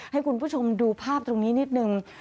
ให้คุณผู้ชมดูภาพตรงนี้นิดนึง